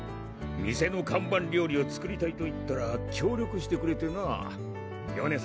店の看板料理を作りたいと言ったら協力してくれてなぁよね